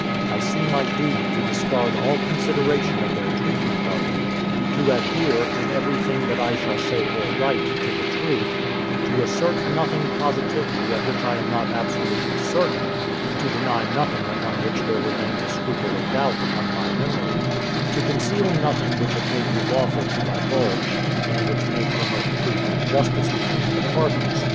I see my duty to discard all consideration of their treatment of me; to adhere, in everything that I shall say or write, to the truth; to assert nothing positively of which I am not absolutely certain; to deny nothing upon which there remains a scruple of doubt upon my memory; to conceal nothing which it may be lawful to divulge, and which may promote truth and justice between the parties.